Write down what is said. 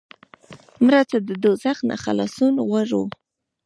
مړه ته د دوزخ نه خلاصون غواړو